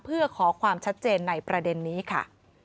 เพื่อขอความชัดเจนในประเด็นนี้ค่ะ